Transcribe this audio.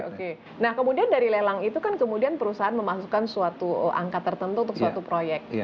oke nah kemudian dari lelang itu kan kemudian perusahaan memasukkan suatu angka tertentu untuk suatu proyek